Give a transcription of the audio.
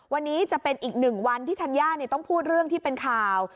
วันนี้จะเป็นอีกหนึ่งวันที่ธัญญาต้องพูดเรื่องที่เป็นข่าว